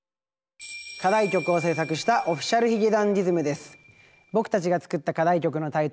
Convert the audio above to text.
課題曲を制作したＯｆｆｉｃｉａｌ髭男ｄｉｓｍです。